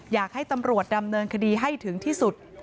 อยากให้ตำรวจดำเนินคดีให้ถึงที่สุด